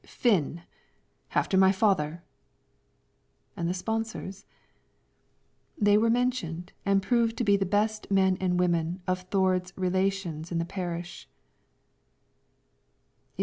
"Finn, after my father." "And the sponsors?" They were mentioned, and proved to be the best men and women of Thord's relations in the parish.